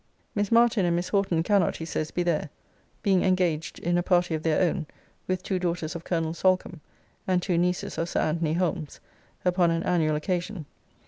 Miss Martin and Miss Horton cannot, he says, be there, being engaged in a party of their own, with two daughters of Colonel Solcombe, and two nieces of Sir Anthony Holmes, upon an annual occasion.